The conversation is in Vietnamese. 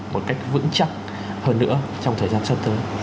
một cách vững chắc hơn nữa trong thời gian sắp tới